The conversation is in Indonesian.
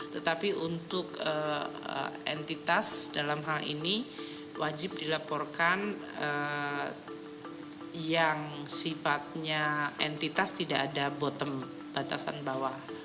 tetapi untuk entitas dalam hal ini wajib dilaporkan yang sifatnya entitas tidak ada bottom batasan bawah